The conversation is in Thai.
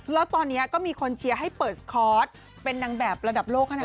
แล้วตอนนี้ก็มีคนเชียร์ให้เปิดสคอร์สเป็นนางแบบระดับโลกขนาดนี้